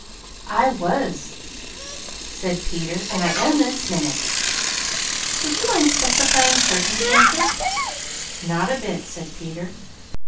"I was," said Peter; "I am this minute." "Would you mind specifying circumstances?" "Not a bit," said Peter.